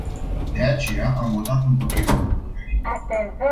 De aceea, am votat împotriva propunerii.